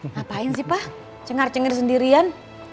ngapain sih pa cengar cengar sendirian